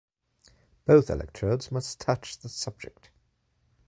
Both electrodes must touch the subject.